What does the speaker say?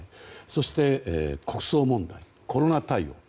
そして、国葬問題コロナ対応。